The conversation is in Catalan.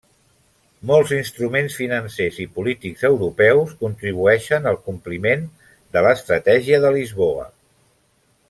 Molts instruments financers i polítics europeus contribueixen al compliment de l'Estratègia de Lisboa.